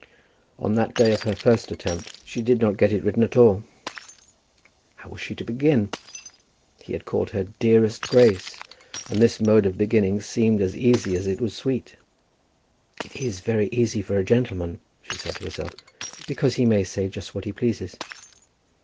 On that day of her first attempt she did not get it written at all. How was she to begin? He had called her "Dearest Grace;" and this mode of beginning seemed as easy as it was sweet. "It is very easy for a gentleman," she said to herself, "because he may say just what he pleases."